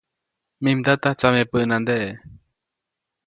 Mij mdata tsameʼpänandeʼe.